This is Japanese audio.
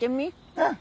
うん。